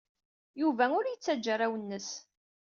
Yuba ur yettajja arraw-nnes.